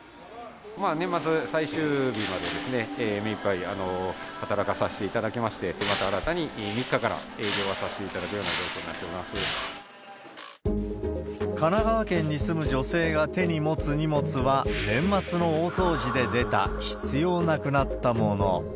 年末最終日まで、目いっぱい働かさせていただきまして、また新たに３日から営業はさせていただくような状況になっており神奈川県に住む女性が手に持つ荷物は、年末の大掃除で出た、必要なくなったもの。